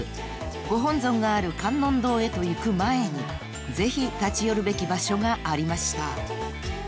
ご本尊がある観音堂へと行く前にぜひ立ち寄るべき場所がありました］